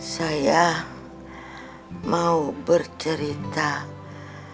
saya mau bercerita perjalanan hidup saya